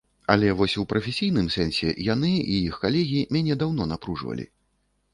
Але вось у прафесійным сэнсе яны і іх калегі мяне даўно напружвалі.